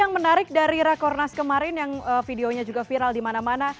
yang menarik dari rakornas kemarin yang videonya juga viral di mana mana